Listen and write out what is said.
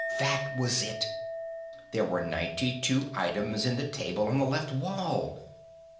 That was it; there were ninety two items in the table on the left wall!